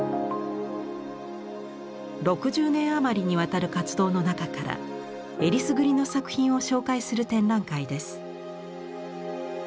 ６０年余りにわたる活動の中からえりすぐりの作品を紹介する展覧会です。